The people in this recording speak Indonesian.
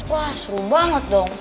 wah seru banget dong